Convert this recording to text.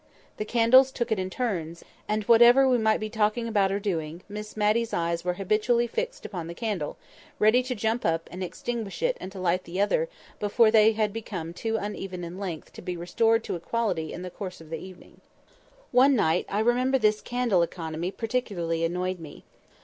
The candles took it in turns; and, whatever we might be talking about or doing, Miss Matty's eyes were habitually fixed upon the candle, ready to jump up and extinguish it and to light the other before they had become too uneven in length to be restored to equality in the course of the evening. One night, I remember this candle economy particularly annoyed me.